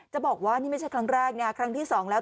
บอกว่านี่ไม่ใช่ครั้งแรกนะครั้งที่สองแล้ว